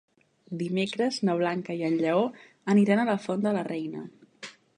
Dimecres na Blanca i en Lleó aniran a la Font de la Reina.